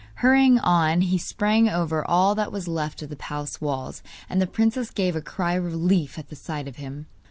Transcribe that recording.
Hurrying on he sprang over all that was left of the palace walls, and the princess gave a cry of relief at the sight of him.